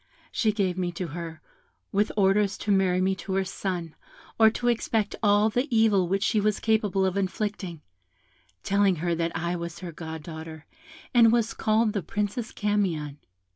She gave me to her, with orders to marry me to her son, or to expect all the evil which she was capable of inflicting, telling her that I was her goddaughter, and was called the Princess Camion.